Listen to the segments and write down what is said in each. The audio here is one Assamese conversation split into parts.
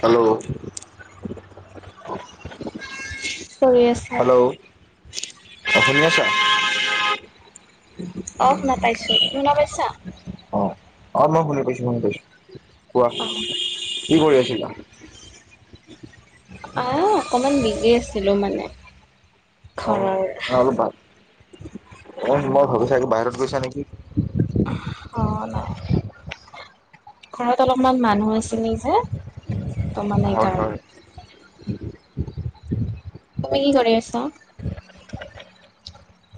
হেল্ল' কৰি আছা হেল্ল' অ'শুনি আছা? অ শুনা পাইছো তুমি শুনা পাইছা [inaudible] অ' অ' মই শুনি পাইছোঁ। শুনি পাইছোঁ। কোৱা অ কি কৰি আছিলা? আহ অকমান বিজি আছিলোঁ মানে। অ' ঘৰৰ অ' অলপ অ' মই ভাবিছোঁ বাহিৰত গৈছা নেকি? অ' নাই। ঘৰত অলপমান মানুহ আছিলে যে। ত মানে হয়, সেইকাৰণে হয়। তুমি কি কৰি আছা?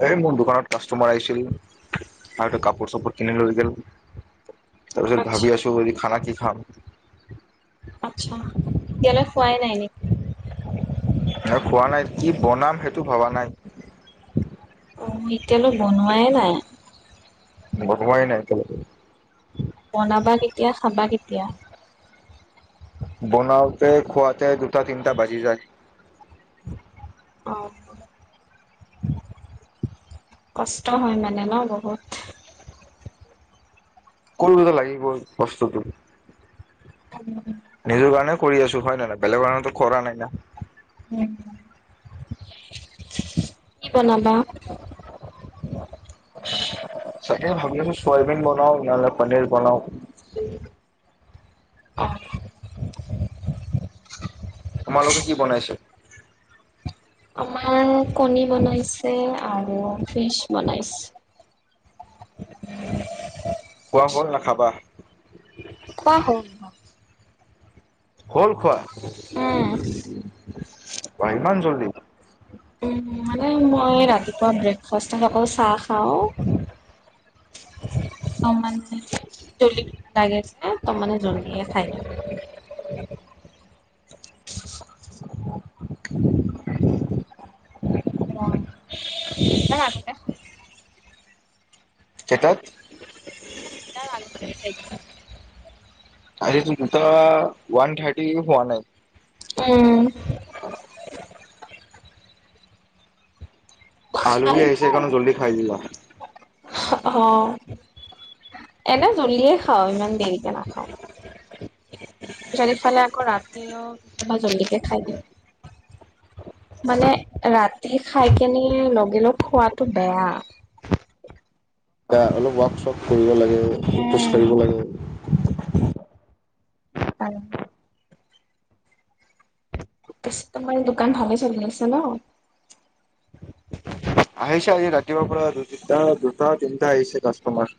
এই মোৰ দোকানত কাষ্টমাৰ আহিছিল। আৰুতে কাপোৰ চাপোৰ কিনি লৈ গিল। তাৰ পিছত আচ্ছা ভাবি আছোঁ। যদি খানা কি খাম। আচ্ছা, এতিয়ালৈ খোৱাই নাই নেকি? এই খোৱা নাই, কি বনাম সেইটো ভবা নাই। অ' এতিয়ালৈ বনোৱাইে নাই। বনোৱাই নাই। বনাবা কেতিয়া, খাবা কেতিয়া। বনাওঁতে খোৱাতে দুটা তিনটা বাজি যায়। অ' [unintelligible] কষ্ট হয় মানে ন অ' বহুত। কোনটোলে লাগি গ'ল বস্তুটো। [unintelligible] নিজৰ কাৰণে কৰি আছোঁ, হয় নহয় না বেলেগ কাৰণেটো কৰা নাই না। উম। কি বনাবা? [unintelligible] তাকে ভাবি আছোঁ চয়াবিন বনাও নহ'লে পনীৰ বনাও। উম, অ'। তোমালোকে কি বনাইছা? আমাৰ কণী বনাইছে আৰু ফিচ বনাইছে। খোৱা হ'ল না খাবা? খোৱাৰ হ'ল। হ'ল খোৱা উম ইমান জল্দি। উম, মানে মই ৰাতিপুৱা ব্ৰেকফাষ্টত অকল চাহ খাওঁ। ত, মানে জলদি ভোক লাগে যে ত, মানে জল্দিয়ে খাই দিওঁ। অ' [unintelligible] তাক আনোতে খুলি দিম। কেইটাত। মানে দুটা আগতে খাই দিওঁ। আজিটোত দুটা ওৱান থ্ৰাটি হোৱা নাই। উম। খাই আলহি আহিছে দিওঁ আৰু। কাৰণে জল্দি খাই দিলা। অ' এনেও জলদিয়ে খাও, ইমান দেৰিকে নাখাও। [unintelligible] যদিফালে আকৌ ৰাতিও কেতিয়াবা জল্দিকে খাই দিওঁ। মানে ৰাতি খাই কেনে লগে লগ খোৱাতটো বেয়া। এতিয়া অলপ ৱৰ্কশ্বপ কৰিব লাগে, খোজ উম, কাঢ়িব লাগে। অ'। তোমাৰ দোকান ভালে চলি আছে ন? আহেছা আজি ৰাতি বাপৰা দু তিনটা দুটা তিনিটা আহে কাষ্টমাৰ।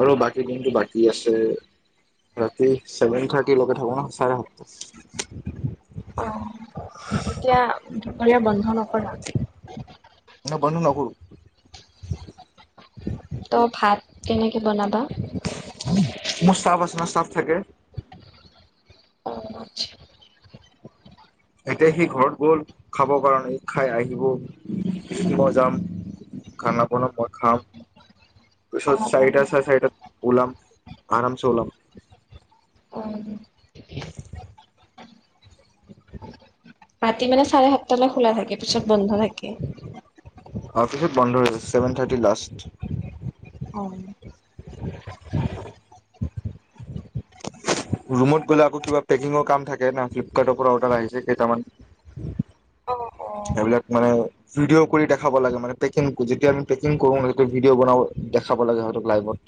আৰু বাকী দিনটো বাকী আছে। ৰাতি ছেভেন থাৰ্টিৰ লগে থাক ন চাৰে সাতটা। অ' এতিয়া দুপৰীয়া বন্ধ নকৰা। ন বন্ধ নকৰো। তই ভাত কেনেকে বনাবা? মোৰ চাফ আছে ন চাফ থাকে। অ' আচছা। এতিয়া সি ঘৰত গ'ল খাবৰ কাৰণে স খাই আহিব, মই যাম। খানা বনাম, মই খাম। অ তাৰপিছত অ চাইড আছ চাইডত ওলম, আৰাম চে ওলাম। অ'। উম। ৰাতি মানে চাৰে সাতটালৈ খোলা থাকে পিছত বন্ধ থাকে। অফিছত বন্ধ হৈছে, ছেভেন থাৰ্টি লাষ্ট। অ'। [inaudible] ৰুমত গ'লে আকৌ কিবা পেকিঙৰ কাম থাকে না ফ্লিপকাৰ্টৰ পৰা অৰ্ডাৰ আহিছে কেইটামান। অ এইবিলাক মানে ভিডিঅ' কৰি দেখাব লাগে মানে, পেকিং যেতিয়া আমি পেকিং কৰো, সেইটো ভিডিঅ বন দেখাব লাগে হয় লাইভত।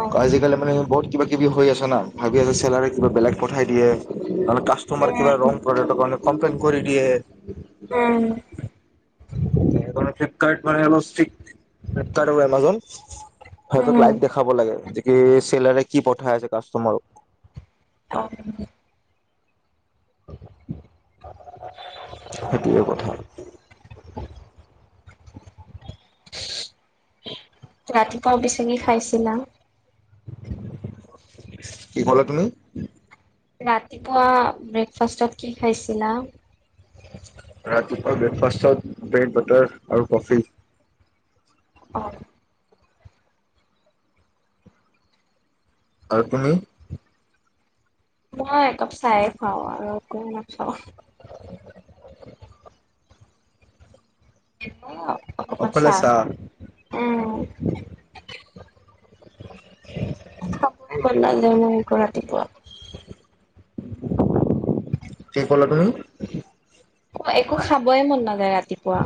অ আজিকালি মানে বহুত কিবা কিবি হৈ আছে। ভাবি আছে চেলাৰ কিবা বেলেগ পঠাই দিয়ে, নহ কাষ্টমাৰ উম কিবা ৰ ানে কমপ্লেইন কৰি দিয়ে। উম। ফ্লিপকাৰ্ মানিক, ফ্লপকাৰ্ এমোজন। সিতক উম লাইভ দেখাব লাগে যে কি চেলৰে কি পঠাই আছে কাষ্টমাৰক। অ'। সেইটোৱে কথা। উম। ৰাতিপুৱা পিছে কি খাইছিলা? কি কলা তুমি? ৰাতিপুৱা ব্ৰেকফাষ্টত কি খাইছিলা? ৰাতিপুৱা ব্ৰেকফাষ্টত ব্ৰেড বাটাৰ আৰু কফি। অ আৰু তুমি? অ' একাপ চাই খুৱওঁ আৰু একো নাখাওঁ। [inaudible] [unintelligible] অকল চাহ এছা? খাওঁ। উম [inaudible] খাবন নাযায় মইো ৰাতিপুৱা। কি কলা তুমি? অ' একো খাবই মন নাযায় ৰাতিপুৱা।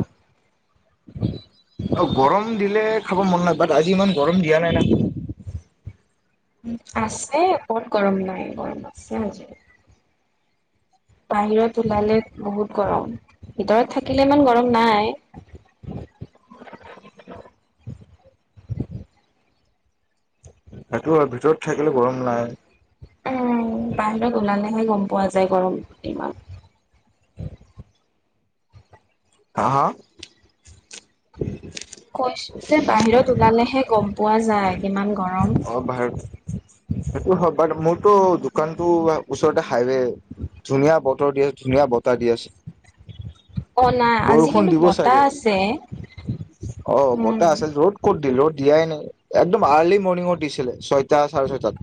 অ' গৰম দিলে খাব মন নাই, বাট আজি ইমান গৰম দিয়া নাই না। উ আছে কত গৰম নাই গৰম আছে আজ বাহিৰত ওলালে বহুত গৰম ভিতৰত থাকিলে ইমান গৰম নাই [inaudible] তো ভিতৰত থাকিলে গৰম নাই উ বাহিৰত ওলালেহে গম পোৱা যায় গৰম ইমমান হা হা কৈছো যে বাহিৰত ওলালেহে গম পোৱা যায় কিমান গৰম অ ভ সেইটো হয় বাট মোৰতটো দোকানতটো ওচৰতে হাইৱে ধুনীয়া বতৰ দি আছে ধুনীয়া বতৰ দি আছে অ নাই আজি বৰষুণ কিন্তু দিব চাগে বতাহ আছে অ উম বতাহ আছিল য'ত ক'ত দিলো দিয়াই নাই একদম আৰ্লি মৰ্ণিঙত দিছিলে ছয়টা চাৰে ছয়টাত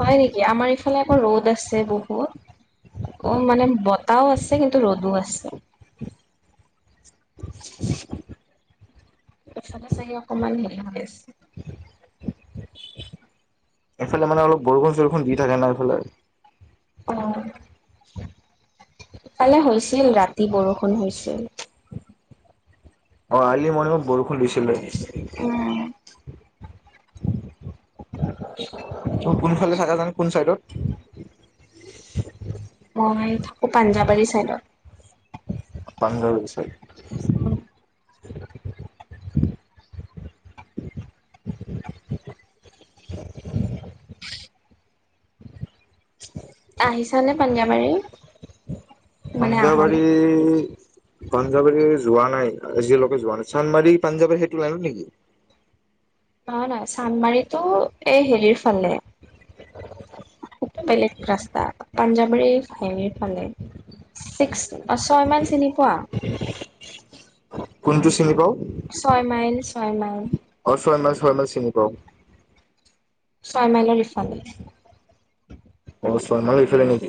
হয়াই নেকি আমাৰ ইফালে আকৌ ৰ'দ আছে বহুত অ মানে বতাও আছে কিন্তু ৰ'দো আছে। তাত চাগে অকমান হেৰি হৈ আছে এইফালে মানে অলপ বৰষুণ-চৰষুণ দি থাকে ন এইফালে। অ ইফালে হৈছিল ৰাতি বৰষুণ হৈছিল। অ আৰলি মৰণিংত বৰষুণ দিছিলে। উম ত কোনফালে থাকা জানো কোন চাইডত। মই থাকো পাঞ্জাবাৰী চাইডত। পাঞ্জাবাৰী চাইডে? উম আহিছা নে পাঞ্জাবাৰী? মানে আহা পাঞ্জাবাৰী নাই পাঞ্জাবাৰী যোৱা নাই আজিলৈকে যোৱা নাই চান্দমৰি পাঞ্জাবাৰী সেইটো লাইনত নেকি? নহয় নহয় চান্দমাৰিতো এই হেৰিৰ ফালে সেইটো বেলেগ ৰাস্তা পাঞ্জাবাৰী হেৰিৰ ফালে ছিক্স ছয় মাইল চিনি পোৱা? কোনটো চিনি পাঁও? ছয় মাইল, ছয় মাইল? ছয় মাইল ছয় মাইল চিনি পাঁও। ছয় মাইলৰ ইফালে। ছয় মাইল হেইফালে নেকি?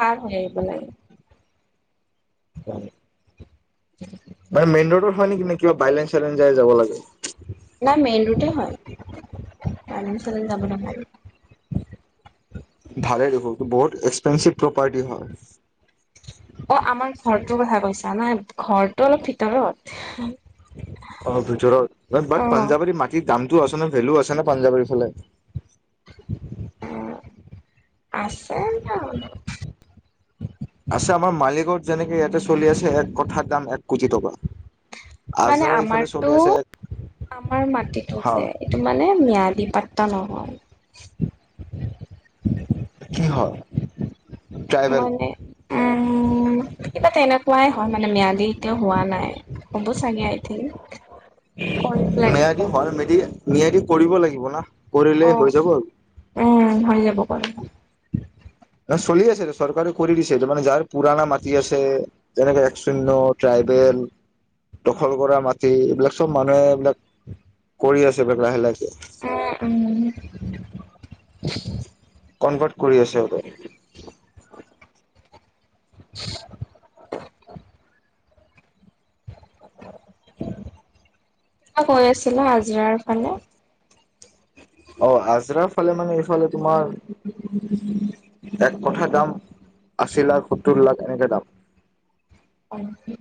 পাৰ হৈ আহিব লাগে। মানে মেইন ৰোডত হয় নেকি? নে কিবা বাইলেন-চাইলেন যাই যাব লাগে? নাই মেইন ৰোডেই হয়, বাইলেন-চাইলেন যাব নালাগে। ভালে দেখোন বহুত এক্সপেঞ্চিভ প্ৰপাৰ্টি হয়। অ আমাৰ ঘৰটোৰ কথা কৈছা, নাই ঘৰটো অলপ ভিতৰত। অলপ ভিতৰত অ বাট অ পাঞ্জাৱাৰী মাটিৰ দামটো আছে ন ভেলু আছে ন পাঞ্জাৱাৰীৰ ফালে। অ আছে আছে আমাৰ মালিকগত যেনেকে ইয়াতে চলি আছে এক কঠাৰ দাম এক কোটি টকা। মানে আজৰা ইফালে আমাৰটো, চলি আছে এক আমাৰ মাটিতো হা যে টো মানে ম্যাদি পাত্তা নহ'ল। কি হয় ট্ৰাইবেল? মানে উম কিবা তেনে কোৱাই হয় মানে ম্যাদি এতিয়াও হোৱা নাই হ'ব চাগে আইথিংক। কৰিব লাগিব ম্যাদি পা হয় মেদি ম্যাদি কৰিব লাগিব না, অ কৰিলেই হৈ যাব আৰু। উম হৈ যাব কৰিলে। চলি আছে এইটো চৰকাৰে কৰি দিছে এটো মানে যাৰ পুৰণা মাটি আছে। যেনেকে এক শূন্য ট্ৰাইবেল দখল কৰা মাটি এইবিলাক চ'ব মানুহে এইবিলাক কৰি আছে এইবিলাক লাহে, লাহে। অ, উম। ক'নভাৰ্ট কৰি আছে। [inaudible] [inaudible] কৈ আছিলা হাজিৰাৰ ফালে। অ, আজৰা ফালে মানে এইফালে তোমাৰ এক কঠা দাম আশী লাখ সত্তৰ লাখ এনেকে দাম। অ'।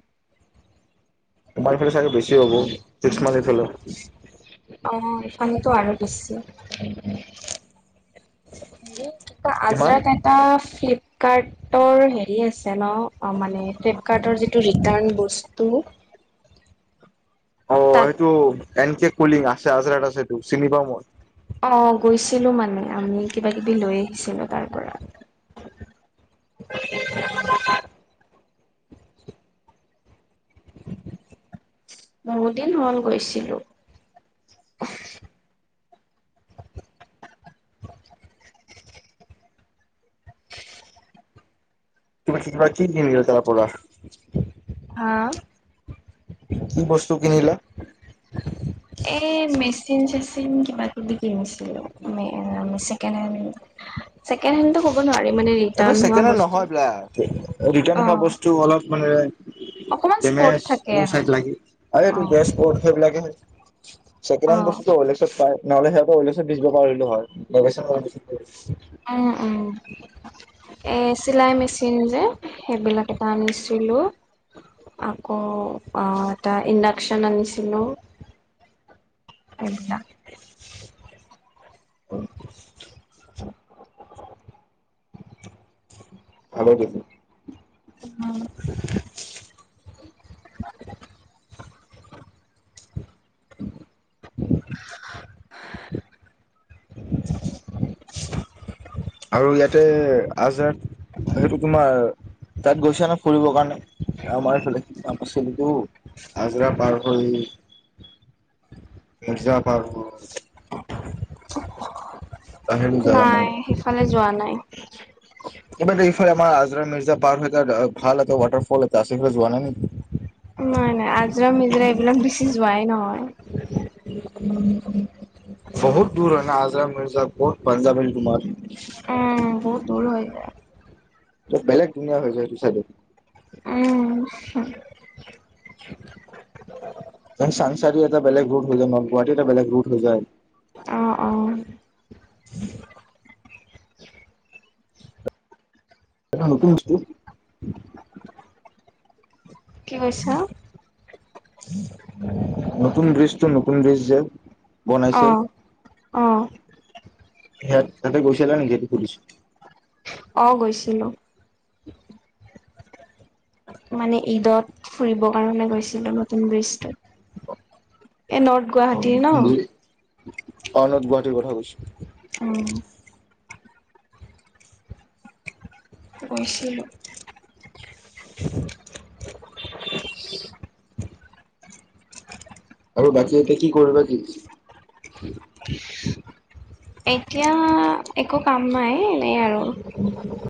তোমাৰফালে চাগে বেছি হ'ব ছিক্স মাইল এইফালে। অ, এইফালেটো আৰু বেছি। [inaudible] হে কি কিমান আজৰাত টকা এটা ফ্লিপকাৰ্টৰ হেৰি আছে। যেন মানে ফ্লিপকাৰ্টৰ যিটো ৰিটাৰ্ণ বস্তু। অ, তাত সেইটো এন কে কলিং আছে, আজৰাত আছে, এইটো চিনি পাওঁ মই। অ, গৈছিলো মানে আমি কিবা কিবি লৈ আহিছিলো তাত। [inaudible] বহুতদিন হ'ল গৈছিলো। তুমি কি, কি কিনিলা তাৰ পৰা। হা। কি বস্তু কিনিলা। এ, মেচিন, চেচিন কিবা কিবি কিনিছিলো মানে চেকেণ্ড হেণ্ড। হয়। ছেকেণ্ড হেণ্ডটো ক'ব নোৱাৰি মানে এইটো ৰিটাৰ্ণ হোৱা চেকেণ্ড হেণ্ড বস্তু নহয় দাদা ৰিটাণ অ হোৱা বস্তু অলপ মানে অকমান তেন স্পৰ্ট থাকে মুও আৰু চাই চলাগি আৰে অ তুৰ মত সেই লাগে। অ চছেকেডেণ্ড বস্তুটো উললেখছত পায়। নহ'লে সিহঁতৰিলেচন বিজিবজা এৰি লো হয়। অ', অ', এই চিলাই মেচিন যে সেইবিলাক এটা আনিছিলো। আকৌ এটা ইণ্ডাক্যন আনিছিলোঁ। সবিলাক। উম। হলে নিকি। উ। [inaudible] [inaudible] [inaudible] [inaudible] আৰু ইয়াতে আজাদ সেইটো তোমাৰ। তাত গৈছে নো ফুৰিবৰ কাৰণে আমাৰ এইফালে অবচে দুৱ। হজৰা পাৰ হৈল। মিৰ্জা পাৰ। তাহেলো জাগা নাই সেইফালে যোৱা নাই। কিন্তু ইফালে আমাৰ আজৰা মিৰ্জা পাৰ এটা ভাল ৱটাৰফল এ আছে যোৱা নাই, নিকি। নাই, নাই আজৰা মিজৰা এইবিলাক বেছি যোৱাই নহয়। উম, উ। বহুত দূৰ হয় ন, আজৰা মিৰ্জাপুৰ পঞ্জাব এণ্ড কুমাৰ। উম, বহুত দূৰ হৈ। বেলেগ ধুনীয়া হৈ এ তোৰ চাগে। উম চানচাৰী এটা বেলেগ ৰোট হৈ যায় নয় গুৱাহাটী এটা বেলেগ ৰোট হৈ যায়। অ', অ' এটা নতুন বস্তু। কি কৈছা নতুন ব্ৰীজটো নতুন ব্ৰীজ যে বনাইছে অ', অ' সেয়া তাতে গৈছিলা নেকি সেইতু সুধিচু অ', গৈছিলো। মানে ঈদত ফুৰিব কাৰণে গৈছিলো নতুন ব্ৰীজটোত [inaudible] অ', অনত গুৱাহাটীৰ কথা কৈছো। উম। গৈছিলো। [inaudible] [inaudible] আৰু বাকী এতিয়া কি কৰিবা কি। এতিয়া একো কাম নাই। এনেই আৰু [inaudible]